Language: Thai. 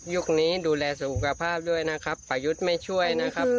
นี้ดูแลสุขภาพด้วยนะครับประยุทธ์ไม่ช่วยนะครับ